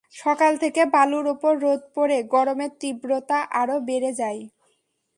সকাল থেকে বালুর ওপর রোদ পড়ে গরমের তীব্রতা আরও বেড়ে যায়।